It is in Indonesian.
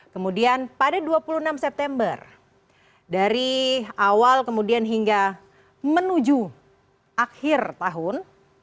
kemudian pada dua puluh enam september dari awal kemudian hingga menuju akhir tahun